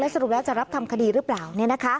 และสรุปแล้วจะรับทำคดีหรือเปล่าเนี่ยนะคะ